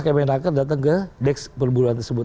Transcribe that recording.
kemenaker datang ke deks perburuan tersebut